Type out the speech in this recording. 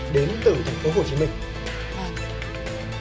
đến từ thành phố hồ chí minh